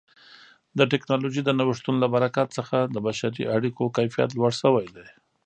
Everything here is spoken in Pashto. د ټکنالوژۍ د نوښتونو له برکت څخه د بشري اړیکو کیفیت لوړ شوی دی.